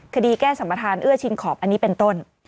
คดีแก้สัมประธานเอื้อชิงขอบอันนี้เป็นต้น